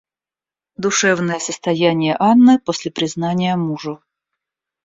Душевное состояние Анны после признания мужу.